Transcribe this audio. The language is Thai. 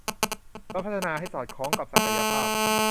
โดยพัฒนาให้สอดคล้องกับศักยภาพ